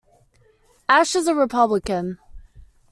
Ashe is a Republican.